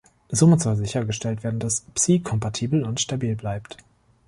Somit soll sichergestellt werden, dass Psi kompatibel und stabil bleibt.